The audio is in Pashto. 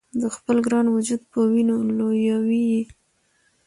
د خپل ګران وجود په وینو لویوي یې